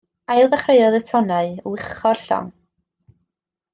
Ail ddechreuodd y tonnau luchio'r llong.